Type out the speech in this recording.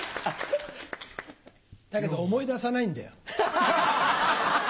だけど思い出さないんだよ。